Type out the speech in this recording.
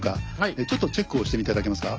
ちょっとチェックをしていただけますか。